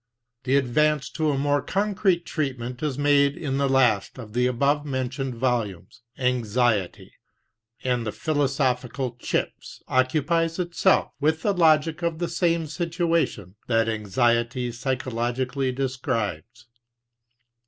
The advance to a more concrete treatment is made in the last of the above mentioned volumes, Anxiety; and the Philosophical Chips occupies itself with the logic of the same situation that Anxiety psychologically describes.